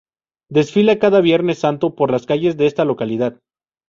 Desfila cada Viernes Santo por las calles de esta localidad.